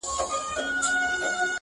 خو قانون د سلطنت دی نه بدلیږي-